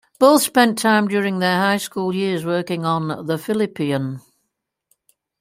Both spent time during their high school years working on "The Phillipian".